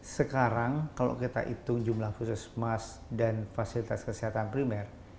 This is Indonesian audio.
sekarang kalau kita hitung jumlah pusat semestinya dan fasilitas kesehatan primer